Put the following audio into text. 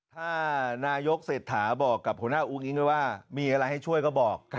ถ้านายกเศรษฐาบอกกับหัวหน้าอุ้งอิ๊งไว้ว่ามีอะไรให้ช่วยก็บอก